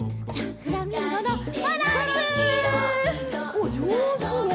おっじょうず。